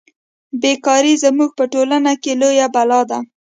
بې کاري زموږ په ټولنه کې لویه بلا ده